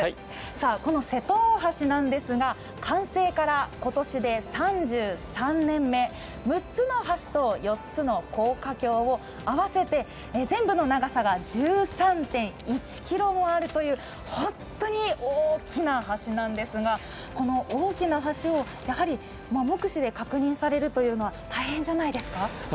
この瀬戸大橋なんですが、完成から今年で３３年目、６つの橋と４つの高架橋を合わせて、全部の長さが１３．１ｋｍもあるという本当に大きな橋なんですが、この大きな橋を目視で確認されるというのは大変じゃないですか？